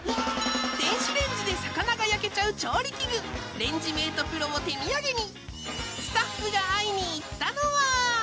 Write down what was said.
電子レンジで魚が焼けちゃう調理器具レンジメートプロを手土産に